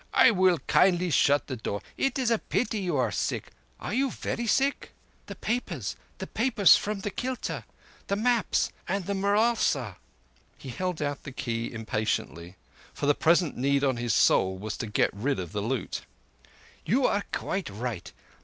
I will kindly shut the door. It is a pity you are sick. Are you very sick?" "The papers—the papers from the kilta. The maps and the murasla!" He held out the key impatiently; for the present need on his soul was to get rid of the loot. "You are quite right.